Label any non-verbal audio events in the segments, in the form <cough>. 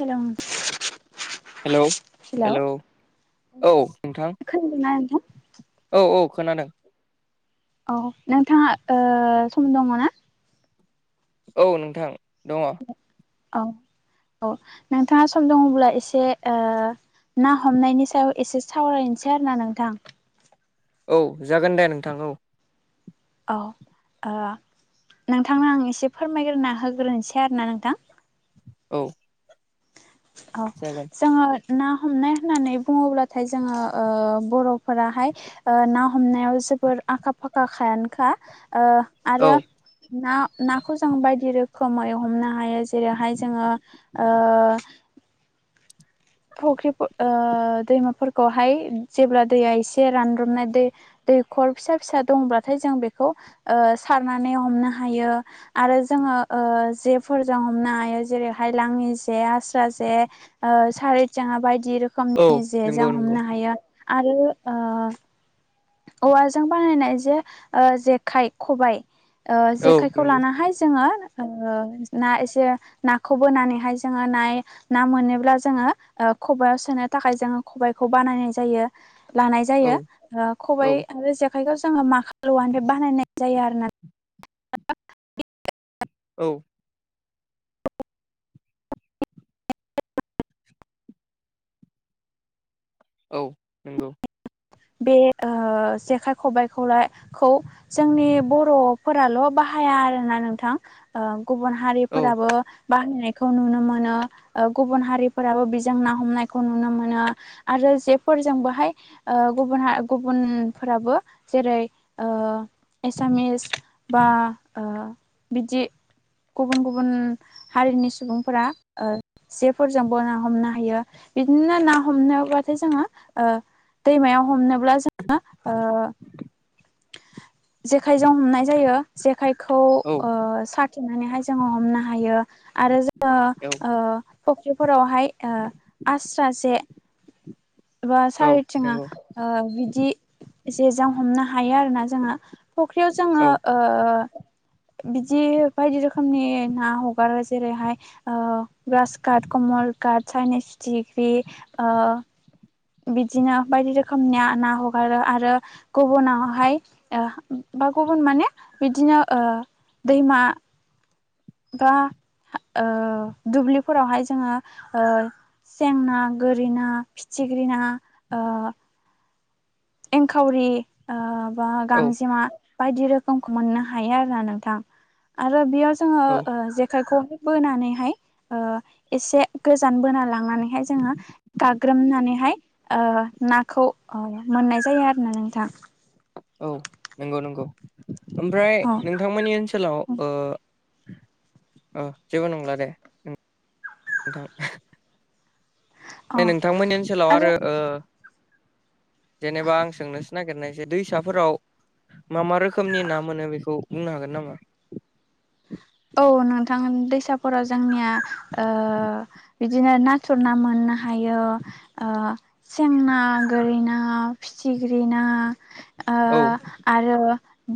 हेल' hello hello औ नोंथां खोनादोंना नोंथां औ औ खोनादों औ नोंथाङा सम दङ ना औ नोंथां दङ औ औ नोंथाङा सम दङब्ला एसे ओ ना हमनायनि सायाव एसे सावरायनोसै आरो ना नोंथां औ जागोन दे नोंथां औ औ नोंथांनो आं एसे फोरमायग्रोना होग्रोनोसै आरोना नोंथां औ औ जागोन जोङो ना हमनाय होननानै बुङोब्लाथाय जोङो ओ बर'फोराहाय ना हमनायाव जोबोर आखा फाखायानोखा औ आरो ना नाखौ जों बायदि रोखोमै हमनो हायो जेरैहाय जोङो ओ फुख्रि दैमाफोरखौहाय जेब्ला दैया एसे रानब्रोमनाय दै दैखर फिसा फिसा दंब्लाथाय जों बेखौ सारनानै हमनो हायो आरो जोङो ओ जेफोरजों हमनो हायो जेरैहाय लाङि जे आस्रा जे ओ सारै जोङा बायदि औ रोखोमनि नंगौ जजों नंगौ हमनो हायो आरो औवाजों बानायनाय जे जेखाय खबाइ औ जेखायखौ नंगौ लानाहाय जोङो ना एसे नाखौ बोनानैहाय जोङो नाय ना मोनोब्ला जोङो खबआव सोनो थाखाय जोङो खबाइखौ बानायनाय जायो लानाय औ जायो खबाइ औ आरो जेखाइखौ जोङो माखालुवानि बे बानायनाय जायो आरो न औ औ नंगौ बे ओ जेखाइ खबाइखौलाय खौ जोंनि बर'फोराल' बाहाया आरोना नोंथां। ओ गुबुन औ हारिफोराबो बाहायनायखौ नुनो मोनो ओ गुबुन हारिफोराबो बेजों ना हमनायखौ नुनो मोनो आरो जेफोरजों बाहाय ओ गुबुन हा गुबुनफोराबो जेरै ओ एसामिस बा ओ बिदि गुबुन गुबुन हारिनि सुबुंफोरा जेफोरजोंबो ना हमनो हायो बिदिनो ना हमनोबाथाय जोङो ओ दैमायाव हमनोब्ला जोङो ओ जेखायजों हमनाय जायो जेखायखौ औ ओ सार थिनानैहाय जोङो हमनो हायो आरो जोङो औ ओ फुख्रिफोरावहाय ओ आस्रा जे बा औ सारिथिङा नंगौ ओ बिदि जेजों हमनो हा हायो आरोना जोङो फुख्रियाव जोङो औ ओ बिदि बायदि रोखोमनि ना हगारो जेरैहाय ओ ग्रास काट कमल काट साइनिस फिथिख्रि ओ बिदिनो बायदि रोखोमनि ना ना हगारो आरो गुबुनावहाय ओ बा गुबुन माने बिदिनो ओ दैमा बा ओ दुब्लिफोरावहाय जोङो ओ सेंना गोरि ना फिथिख्रि ना ओ एंखावरि ओ बा औ गांजेमा बायदि रोखोमखौ मोननो हायो आरोना नोंथां आरो बेयाव जोङो औ ओ जेखायखौ बोनानैहाय ओ एसे गोजान बोना लांनानैहाय जोङो गाग्रोमनानैहाय ओ नाखौ मोननाय जायो आरोना नोंथां। औ नंगौ नंगौ ओमफ्राय औ नोंथांमोननि ओनसोलाव ओ ओ जेबो नंला दे नोंथां। अ नोंथांमोननि ओनसोलाव आरो ओ जेनेबा आं सोंनोसो नागिरनाय जे दैसाफोराव मा मा रोखोमनि ना मोनो बेखौ बुंनो हागोन नामा? औ नोंथां दैसाफोराव जोंनिया ओ बिदिनो नाथुर ना मोननो हायो ओ सेंना गोरि ना फिथिग्रि ना ओ औ आरो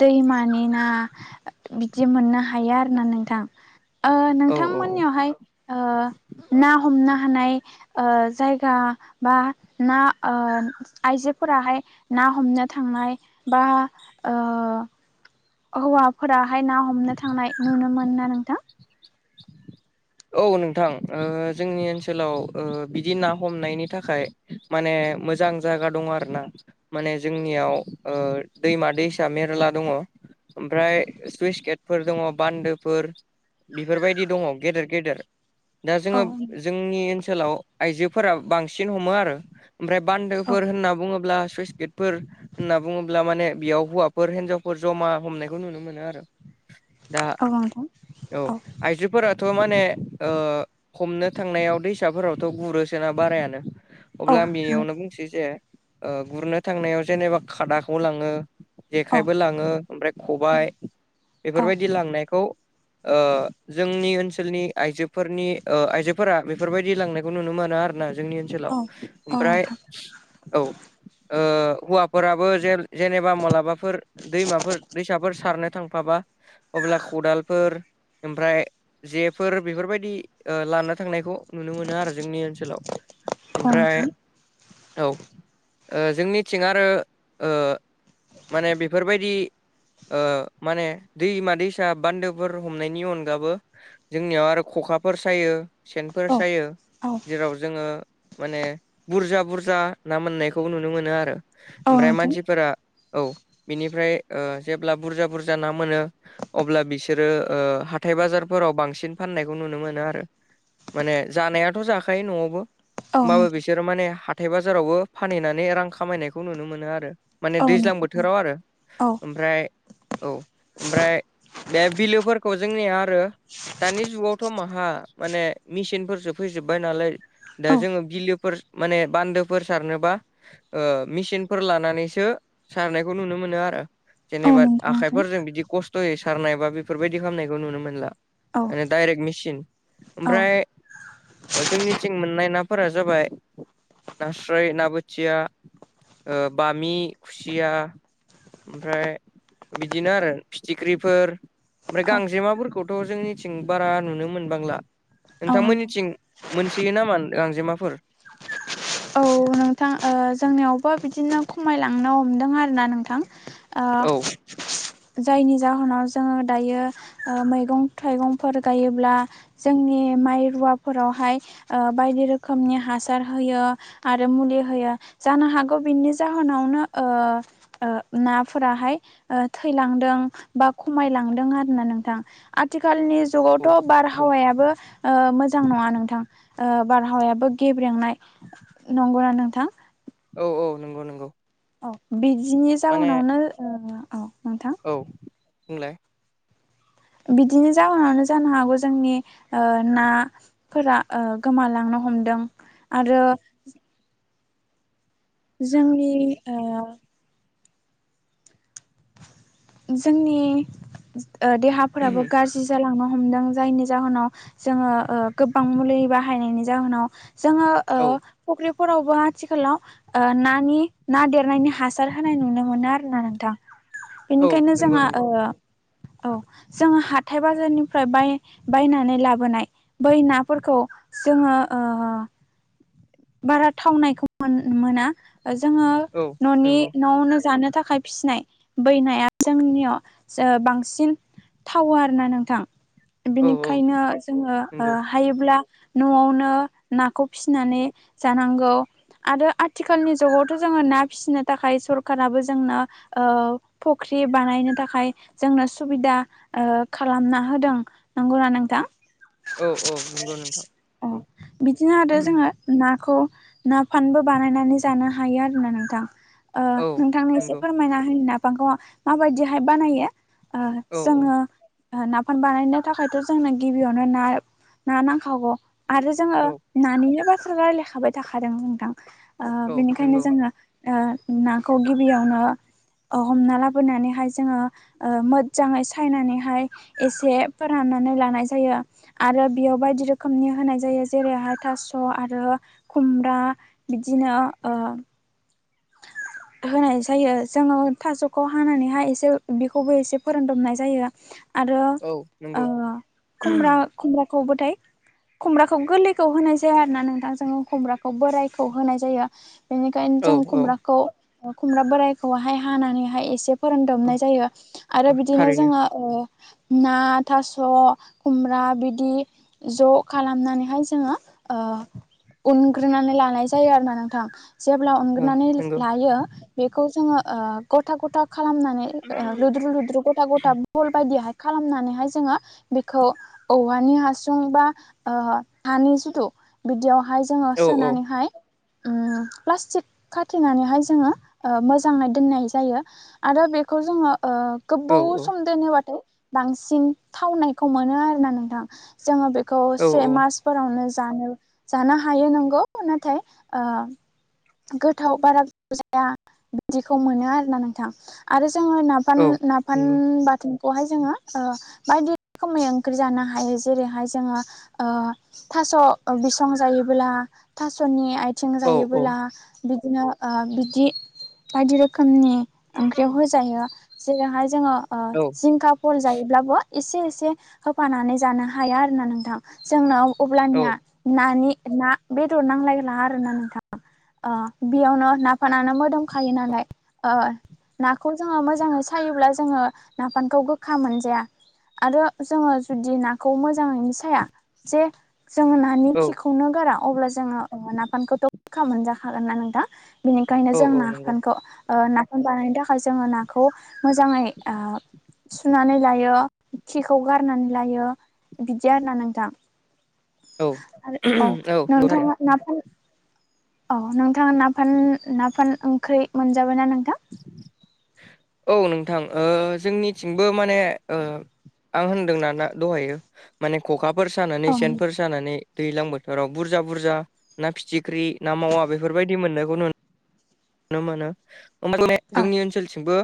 दैमानि ना बिदि मोननो हायो आर ना नोंथां ओ औ औ नोंथांमोननियावहाय ओ ना हमनो हानाय ओ जायगा बा ना ओ आइजोफोराहाय ना हमनो थांनाय बा ओ हौवाफोराहाय ना हमनो थांनाय नुनो मोनो ना नोंथां? औ नोंथां ओ जोंनि ओनसोलाव ओ बिदि ना हमनायनि थाखाय माने मोजां जागा दङ आरोना। माने जोंनियाव ओ दैमा दैसा मेरला दङ। ओमफ्राय सुइस गेटफोर दङ बान्दोफोर बेफोरबायदि दङ गेदेर गेदेर दा जोङो औ जोंनि ओनसोलाव आइजोफोरा बांसिन हमो आरो। ओमफ्राय औ बान्दोफोर होनना बुङोब्ला सुइस गेट फोर होनना बुङोब्ला माने बेयाव हौवाफोर हिन्जावफोर जमा हमनायखौ नुनो मोनो आरो। <inaudible> दा नोंथां औ आइजोफोरा थ' माने ओ हमनो थांनायाव दैसाफोरावथ' गुरोसोना बारायानो थ औ अब्ला आं बेनियावनो बुंसै जे ओ गुरनो थांनायाव जेनेबा खादाखौ लाङो। जेखाइबो लाङो ओमफ्राय खबाइ औ बेफोरबायदि लांनायखौ ओ जोंनि ओनसो सोलनि आइजोफोरनि ओ आइजोफोरा बेफोरबायदि लांनायखौ नुनो मोनो आरो ना जोंनि ओनसोलाव औ औ ओमफ्राय नोंथां औ ओ हौवाफोराबो जे जेनेबा मलाबाफोर दैमाफोर दैसाफोर सारनो थांफाबा अब्ला खदालफोर ओमफ्राय जेफोर बेफोरबायदि ओ लानो थांनायखौ नुनो मोनो आरो जोंनि ओनसोलाव। औ ओमफ्राय नोंथां औ ओ जोंनिथिं आरो ओ माने बेफोरबायदि ओ माने दैमा दैसा बान्दोफोर हमनायनि अनगाबो जोंनियाव आरो खखाफोर सायो सेनफोर औ सायो औ जेराव जोङो माने बुरजा बुरजा ना मोननायखौ नुनो मोनो आरो। औ ओमफ्राय नोंथां मानसिफोरा औ बिनिफ्राय ओ जेब्ला बुरजा बुरजा ना मोनो अब्ला बिसोरो ओ हाथाय बाजार फोराव बांसिन फाननायखौ नुनो मोनो आरो माने जानायाथ' जाखायो न'आवबो औ होमबाबो नोंथां बिसोरो माने हाथाय बाजारावबो फानहैनानै रां खामायनायखौ नुनो मोनो आरो। माने औ दैज्लां नोंथां बोथोराव आरो औ ओमफ्राय औ ओमफ्राय बे बिलोफोरखौ जोंनिया आरो दानि जुगावथ' माहा माने मेसिनफोरसो फैजोबबाय नालाय दा औ जोङो बिलोफोर माने बान्दोफोर सारनोबा ओ मेचिनफोर लानानैसो सारनायखौ नुनो मोनो आरो। औ जेनेबा नोंगौ नोंथां आखाइफोरजों बिदि कस्त'यै सारनाय बा बेफोरबायदि खामनायखौ नुनो मोनला। औ माने डाइरेक्ट मेसिन औ ओमफ्राय ओ जोंनिथिं मोननाय नाफोरा जाबाय नास्राय ना बोथिया ओ बामि खुसिया ओमफ्राय बिदिनो आरो फिथिख्रिफोर ओमफ्राय औ गांजेमाफोरखौथ' जोंनि थिं बारा नुनो मोनबांला औ नोंथां औ नोंथां नोंथांमोननिथिं मोनसोयो नामा गांजेमाफोर? नोंथां ओ जोंनियावबो बिदिनो खमायलांनो हमदों आरोना नोंथां ओ औ जायनि जाहोनाव जोङो दायो ओ मैगं थाइगंफोर गायोब्ला जोंनि माइ रुवाफोरावहाय ओ बायदि रोखोमनि हासार होयो आ रो मुलि होयो जानो हागौ बिनि जाहोनावनो ओ ओ नाफोराहाय ओ थैलांदों बा खमायलांदों आरो ना नोंथां। आथिखालनि औ जुगावथ' नंगौ बारहावायाबो ओ मोजां नङा नोंथां ओ बारहावायाबो गेब्रेंनाय। नंगौना नोंथां? औ औ नंगौ नंगौ औ बिदिनि माने जाहोनावनो ओ औ नोंथां औ बुंलाय बिदिनो जाहोनावनो जानो हागौ जोंनि ओ ना फोरा ओ गोमालांनो हमदों आरो जोंनि ओ जोंनि ओ देहाफोराबो गाज्रि जालांनो हमदों जायनि जाहोनाव जोङो ओ गोबां मुलि बाहायनायनि जाहोनाव जोङो औ ओ फुख्रिफोरावबो आथिखालाव ओ नानि ना देरनायनि हासार होनाय नुनो मोनो आरो ना नोंथां औ बेनिखायनो नंगौ जोंहा नंगौ ओ औ। जोङो हाथाइ बाजारनिफ्राय बाय बायनानै लाबोनाय। बै नाफोरखौ जोङो ओ। बारा थावनायखौ मोन मोना जोङो औ न'नि नंगौ न'आवनो जानो थाखाय फिसिनाय बैनाया जोंनियाव ओ बांसिन थावो आरो ना नोंथां औ औ बिनिखायनो जोङो ओ नंगौ हायोब्ला न'आवनो नाखौ फिसिनानै जानांगौ आरो आथिखालनि जुगावथ' जोङो ना फिसिनो थाखाय सरखाराबो जोंनो ओ फुख्रि बानायनो थाखाय जोंनो सुबिदा ओ खालामना होदों। नंगौ ना नोंथां? औ औ नंगौ नोंथां। अ औ बिदिनो आरो जोङो ना खौ ना फानबो बानायनानै जानो हायो आरोना नोंथां ओ औ नोंथांनो एसे नंगौ फोरमायना होनि नाफांखौ माबायदिहाय बानायो। ओ औ औ जोङो नाफान बानायनो थाखायथ' जोंनो गिबियावनो ना-ना नांखागौ आरो जोङो औ नानिनो बाथ्रा रायलायखाबाय थाखादों नोंथां ओ औ बेनिखायनो नंगौ जोङो ओ नाखौ गिबियावनो ओ हमना लाबोनानैहाय जोङो ओ मोजाङै सायनानैहाय एसे फोराननानै लानाय जायो। आरो बेयाव बायदि रोखोमनि होनाय जायो जेरैहाय थास' आरो खुमब्रा बिदिनो ओ होनाय जायो जोङो थास'खौ हानानैहाय एसे बेखौबो एसे फोरानदबनाय जायो। आरो औ नंगौ ओ खुमब्रा खुमब्राखौबोथाय खुमब्राखौ गोरलैखौ होनाय जाया आरो ना नोंथांजों खुमब्राखौ बोरायखौ होनाय जायो। बेनिखायनो औ जों औ खुमब्राखौ खुमब्रा बोरायखौहाय हानानैहाय एसे औ फोरानदबनाय जायो आरो औ बिदिनो थारैनो जोङो ओ ना, थास', खुमब्रा बिदि ज' खालामनानैहाय जोङो ओ उनग्रोनानै लानाय जायो आरो ना नोंथां। जेब्ला औ नानै नंगौ लायो बेखौ ओ जों गथा गथा खालामनानै ओ लुद्रु लुद्रु गथा गथा बल बायदिहाय खालामनानैहाय जोङो बेखौ औवानि हासुं बा ओ हानि जिथु बिदियावहाय जोङो औ सोनानैहाय उम प्लास्टिक खाथेनानैहाय जोङो मोजाङै दोननाय जायो आरो बेखौ जोङो ओ औ गोबाव सम दोनोबाथाय बांसिन थावनायखौ मोनो आरोना नोंथां। जोङो बेखौ औ से औ मास फोरावनो जानो जानो हायो नोंगौ नाथाय ओ गोथाव बारा गोथाव जाया बिदिखौ मोनो आरोना नोंथां। आरो जोङो ना फान औ नाफान नंगौ बाथोन खौहाय जोङो ओ बायदि रोखोमै ओंख्रि जानो हायो जेरैहाय जोङो ओ थास' बिसं जायोबोब्ला थास'नि आ थिं औ औ जायोबोला बिदिनो ओ बिदि बायदि रोखोमनि औ ओंख्रियाव होजायो जेरैहाय जोङो ओ औ जिंखा फल जायोब्लाबो एसे एसे होफानानै जानो हायो आरो ना नोंथां। जोंनाव अब्लानिया औ नानि ना बेदर नांलायला आरोना नोंथां। ओ बेयावनो नाफानानो मोदोमखायो नालाय। ओ नाखौ जोङो मोजाङै सायोब्ला जोङो नाफानखौ गोखा मोनजाया। आरो जोङो जुदि नाखौ मोजाङैनो साया जे जोङो ना नानि खिखौनो गारा अब्ला जोङो नाफानखौथ'खा मोनजाखागोन ना नोंथां। बिनिखायनो औ जों औ नंगौ नफानखौ ओ नाफाम बानायनो थाखाय जोङो नाखौ मोजाङै ओ सुनानै लायो खिखौ गारनानै लायो बिदि आरोना नोंथां। औ आरो औ नोंथाङा नफान औ नोंथाङा नाफान नाफान ओंख्रि मोनजाबाय ना नोंथां? औ नोंथां ओ जोंनिथिंबो माने ओ आं होनदों नाना दहायो माने खखाफोर सानानै औ सेनफोर सानानै दैज्लां बोथोराव बुरजा बुरजा ना फिथिख्रि ना मावा बेफोरबायदि मोननायखौ नु नो मोनो जोंनि ओनसोलथिंबो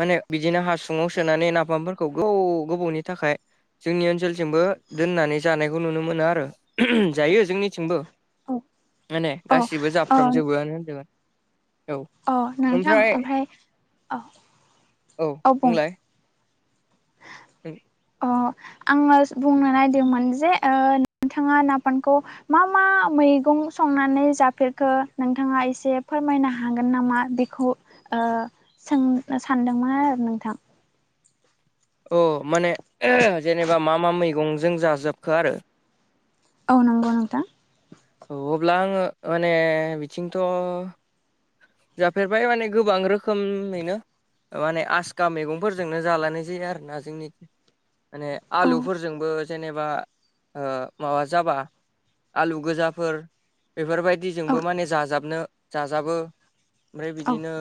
माने बिदिनो हासुङाव सोनानै नाफामफोरखौ गोबौ गोबावनि थाखाय जोंनि ओनसोलथिंबो दोननानै जानायखौ नुनो मोनो आरो जायो जोंनिथिंबो औ माने औ गासिबो औ जाफ्रामजोबोआनो होनदों औ औ नोंथां ओमफ्राय औ औ बुं। <inaudible> अ आङो बुंनो नायदोंमोन जे नोंथाङा नाफानखौ मा मा मैगं संनानै जाफेरखो नोंथाङा एसे फोरमायनो हागोन नामा? बेखौ ओ सों सानदोंमोन आरो नोंथां। औ माने जेनेबा मा मा मैगंजों जाजोबखो आरो औ नंगौ नोंथां। औ अब्ला आङो माने बिथिंथ' जाफेरबाय माने गोबां रोखोमैनो माने आसखा मैगंफोरजोंनो जालानाय जायो आरो ना जोंनि माने औ आलुफोरजों जोंबो जेनेबा माबा जाबा आलु गोजाफोर औ बेफोरबायदिजोंबो माने जाजाबनो जाजाबो ओमफ्राय औ बिदिनो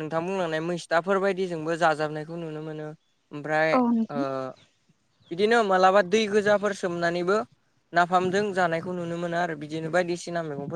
नोंथां बुंलांनाय मैस्थाफोर बायदि जोंबो जाजाबनायखौ नुनो मोनो। ओमफ्राय औ नोंथां बिदिनो मालाबा दै गोजाफोर सोमनानैबो नाफामजों जानायखौ नुनो मोनो आरो बिदिनो बायदिसिना मैगंफोर